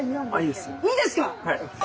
いいですか！